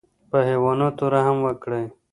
په حیواناتو رحم وکړئ